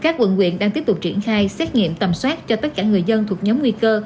trung tâm y tế đang tiếp tục triển khai xét nghiệm tầm soát cho tất cả người dân thuộc nhóm nguy cơ